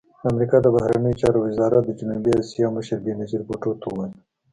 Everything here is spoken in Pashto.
د امریکا د بهرنیو چارو وزارت د جنوبي اسیا مشر بېنظیر بوټو ته وویل